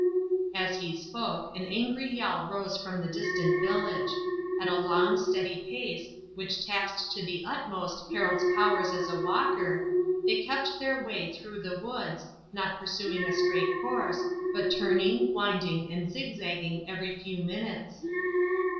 As he spoke an angry yell rose from the distant village. At a long, steady pace, which taxed to the utmost Harold's powers as a walker, they kept their way through the woods, not pursuing a straight course, but turning, winding, and zigzagging every few minutes.